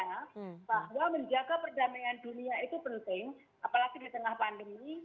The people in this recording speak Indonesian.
karena bahwa menjaga perdamaian dunia itu penting apalagi di tengah pandemi